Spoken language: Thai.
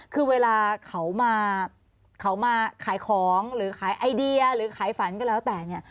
คือเวลาเขามาเขามาขายของหรือขายไอเดียหรือขายฝันก็แล้วแต่เนี่ย